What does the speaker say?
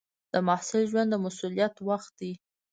د محصل ژوند د مسؤلیت وخت دی.